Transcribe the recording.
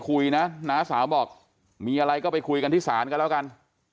คุยนะน้าสาวบอกมีอะไรก็ไปคุยกันที่ศาลกันแล้วกัน